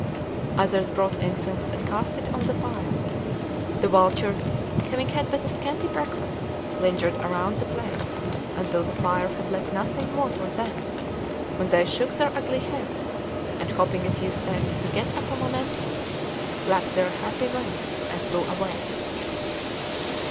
Others brought incense and cast it on the pile. "The vultures, having had but a scanty breakfast, lingered around the place until the fire had left nothing more for them, when they shook their ugly heads, and hopping a few steps, to get up a momentum, flapped their harpy wings and flew away."